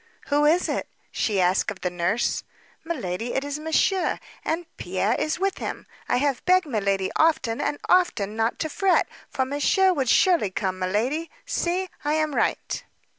"Who is it?" she asked of the nurse. "Miladi, it is monsieur; and Pierre is with him. I have begged milady often and often not to fret, for monsieur would surely come; miladi, see, I am right."